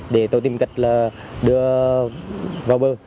để tôi tìm cách đưa vào bờ